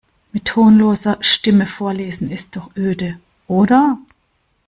Mit tonloser Stimme vorlesen ist doch öde, oder?